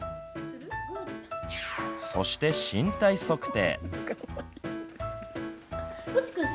そして身体測定。